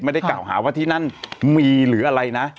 ไม่ได้กล่าวหาว่าที่นั่นมีหรืออะไรนะ